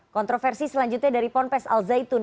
kontroversi selanjutnya dari ponpes al zaitun